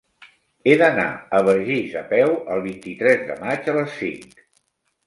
He d'anar a Begís a peu el vint-i-tres de maig a les cinc.